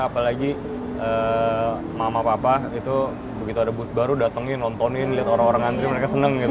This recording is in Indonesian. apalagi mama papa itu begitu ada bus baru datengin nontonin lihat orang orang antri mereka seneng gitu